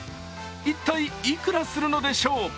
一体、いくらするのでしょう？